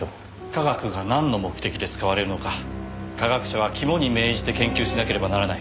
科学がなんの目的で使われるのか科学者は肝に銘じて研究しなければならない。